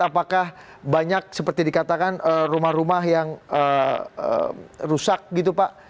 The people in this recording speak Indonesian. apakah banyak seperti dikatakan rumah rumah yang rusak gitu pak